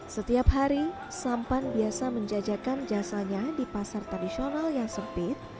setiap hari sampan biasa menjajakan jasanya di pasar tradisional yang sempit